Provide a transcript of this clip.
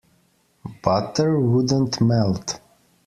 Butter wouldn't melt.